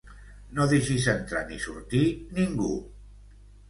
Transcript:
No deixis entrar ni sortir ningú.